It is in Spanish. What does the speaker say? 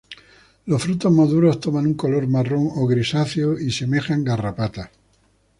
Los frutos maduros toman un color marrón o grisáceo y semejan garrapatas.